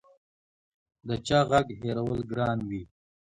د چا غږ هېرول ګران وي